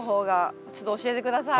ちょっと教えて下さい。